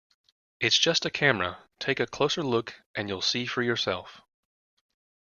It's just a camera, take a closer look and you'll see for yourself.